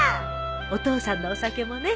お父さんのお酒もね。